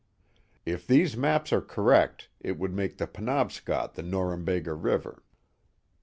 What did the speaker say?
If these maps are correct, it would make the Penobscot the Norumbega River.